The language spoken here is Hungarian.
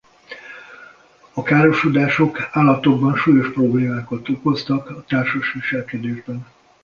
A károsodások állatokban súlyos problémákat okoztak a társas viselkedésben.